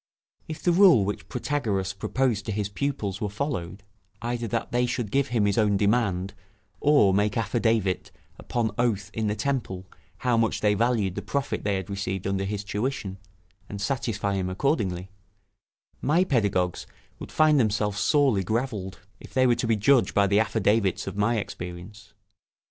If the rule which Protagoras proposed to his pupils were followed either that they should give him his own demand, or make affidavit upon oath in the temple how much they valued the profit they had received under his tuition, and satisfy him accordingly my pedagogues would find themselves sorely gravelled, if they were to be judged by the affidavits of my experience.